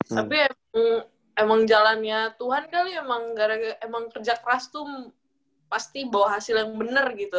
tapi emang emang jalannya tuhan kali emang emang kerja keras tuh pasti bawa hasil yang bener gitu